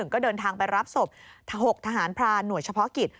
ก็เดินทางไปรับศพ๖ทหารพรานหน่วยเฉพาะกิจ